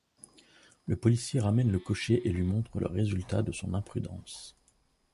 Le policier ramène le cocher et lui montre le résultat de son imprudence.